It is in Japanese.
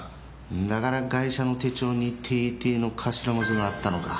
だからガイシャの手帳にＴ．Ｔの頭文字があったのか。